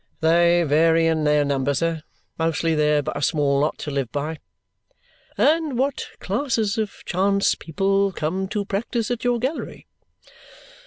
"They vary in their number, sir. Mostly they're but a small lot to live by." "And what classes of chance people come to practise at your gallery?"